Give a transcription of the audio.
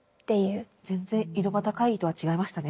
全然井戸端会議とは違いましたね。